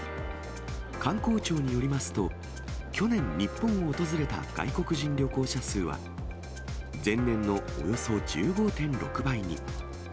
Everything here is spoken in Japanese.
観光庁によりますと、去年日本を訪れた外国人旅行者数は、前年のおよそ１５．６倍に。